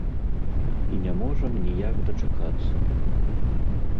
І не можам ніяк дачакацца.